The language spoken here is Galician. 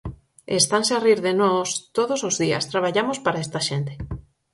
E estanse a rir de nós todos os días, traballamos para esta xente.